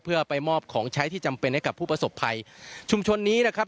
เพื่อไปมอบของใช้ที่จำเป็นให้กับผู้ประสบภัยชุมชนนี้นะครับ